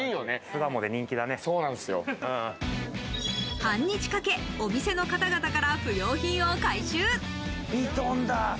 半日かけ、お店の方々から不用品を回収。